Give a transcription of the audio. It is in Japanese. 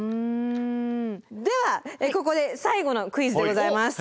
ではここで最後のクイズでございます。